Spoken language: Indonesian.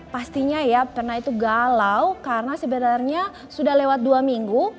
pastinya ya pernah itu galau karena sebenarnya sudah lewat dua minggu